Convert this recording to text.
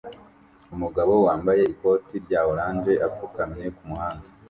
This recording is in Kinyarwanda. Umugabo wambaye ikoti rya orange apfukamye kumuhanda